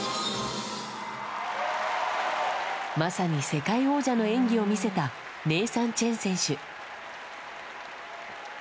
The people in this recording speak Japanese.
まさに世界王者の演技を見せたネイサン・チェン選手。